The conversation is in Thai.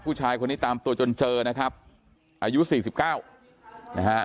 ผู้ชายคนนี้ตามตัวจนเจอนะครับอายุ๔๙นะฮะ